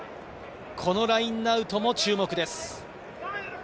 このラインアウトも注目です。